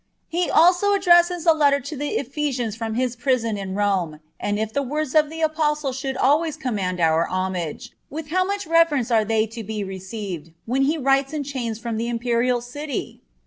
(17) He also addresses a letter to the Ephesians from his prison in Rome, and if the words of the Apostle should always command our homage, with how much reverence are they to be received when he writes in chains from the Imperial City!